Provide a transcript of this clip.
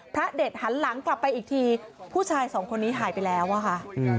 พระเด็ดหันหลังกลับไปอีกทีผู้ชายสองคนนี้หายไปแล้วอะค่ะ